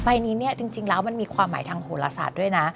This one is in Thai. ใบนี้เนี่ยจริงแล้วมันมีความหมายทางโหลศาสตร์ด้วยนะ